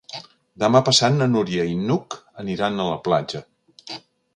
Demà passat na Núria i n'Hug aniran a la platja.